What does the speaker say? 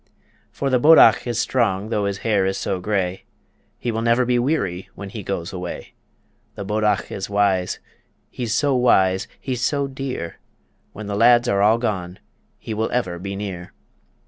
For the bodach is strong though his hair is so grey, He will never be weary when he goes away The bodach is wise he's so wise, he's so dear When the lads are all gone, he will ever be near.